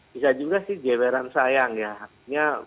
bisa juga sih jeweran sayang ya